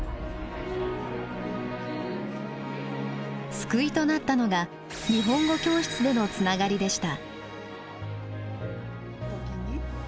救いとなったのが日本語教室でのつながりでした。